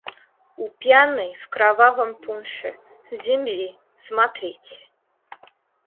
У пьяной, в кровавом пунше, земли — смотрите!